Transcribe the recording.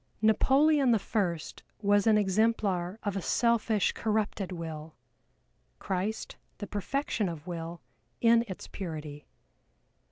Napoleon the First was an exemplar of a selfish corrupted will, CHRIST the perfection of Will in its purity.